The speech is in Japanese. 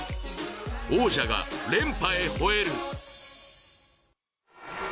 王者が連覇へほえる！